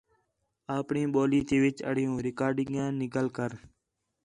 آپݨی ٻولی تے وِچ آڈیو ریکارڈنگیاں نقل کر